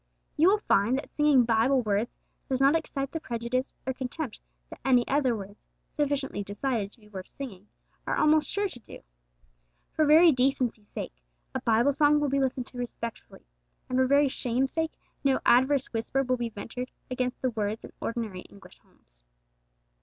You will find that singing Bible words does not excite the prejudice or contempt that any other words, sufficiently decided to be worth singing, are almost sure to do. For very decency's sake, a Bible song will be listened to respectfully; and for very shame's sake, no adverse whisper will be ventured against the words in ordinary English homes.